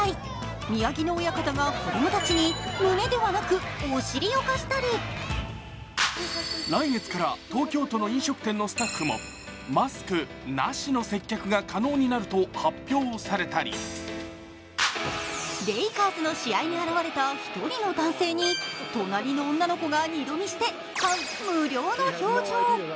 宮城野親方が子供たちに胸ではなくお尻を貸したり来月から東京都の飲食店のスタッフもマスクなしの接客が可能になると発表されたりレイカーズの試合に現れた１人の男性に隣の女の子が二度見して感無量の表情。